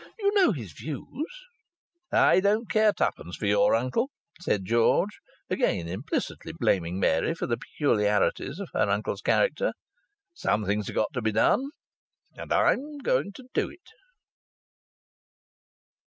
You know his views " "I don't care twopence for your uncle," said George, again implicitly blaming Mary for the peculiarities of her uncle's character. "Something's got to be done, and I'm going to do it."